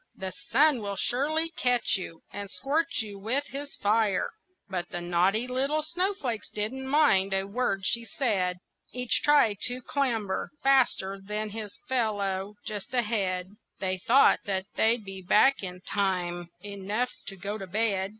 The sun will surely catch you, and scorch you with his fire." But the naughty little snowflakes didn't mind a word she said, Each tried to clamber faster than his fellow just ahead; They thought that they'd be back in time enough to go to bed.